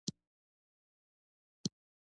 ستوني غرونه د افغانستان د ځایي اقتصادونو بنسټ دی.